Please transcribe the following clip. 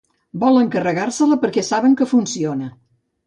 Volen carregar-se-la perquè saben que funciona.